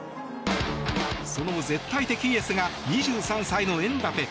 その絶対的エースが２３歳のエムバペ。